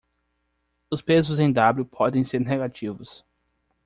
Os pesos em W podem ser negativos.